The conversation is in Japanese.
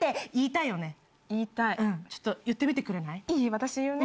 私言うね。